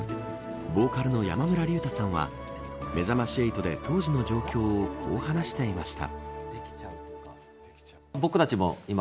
ヴォーカルの山村隆太さんはめざまし８で当時の状況をこう話していました。